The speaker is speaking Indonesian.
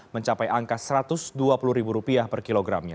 mencapai angka rp satu ratus dua puluh per kilogramnya